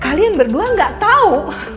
kalian berdua gak tau